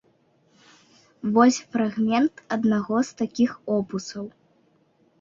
Вось фрагмент аднаго з такіх опусаў.